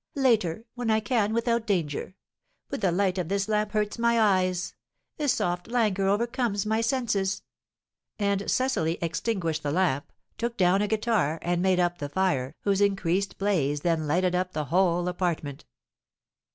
Later, when I can without danger. But the light of this lamp hurts my eyes, a soft languor overcomes my senses!" and Cecily extinguished the lamp, took down a guitar, and made up the fire, whose increased blaze then lighted up the whole apartment.